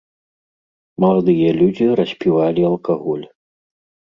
Маладыя людзі распівалі алкаголь.